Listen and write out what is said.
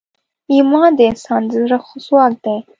ایمان د انسان د زړه ځواک دی.